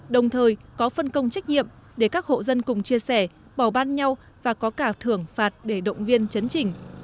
đồng thời có phân công trách nhiệm để các hộ dân cùng chia sẻ bỏ ban nhau và có cả thưởng phạt để động viên chấn trình